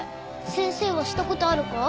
先生はしたことあるか？